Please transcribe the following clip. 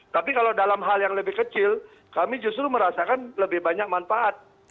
tapi kalau dalam hal yang lebih kecil kami justru merasakan lebih banyak manfaat